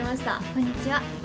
こんにちは。